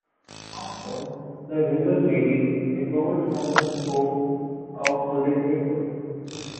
At home, the Rizal ladies recovered from the stove a folded paper.